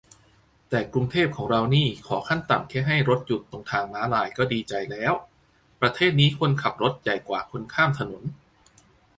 แต่กรุงเทพของเรานี่ขอขั้นต่ำแค่ให้รถหยุดตรงม้าลายก็ดีใจแล้ว - ประเทศนี้คนขับรถใหญ่กว่าคนข้ามถนน